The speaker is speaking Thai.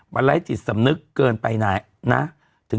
มันไร้จิตสำนึกเกินไปไหนนะ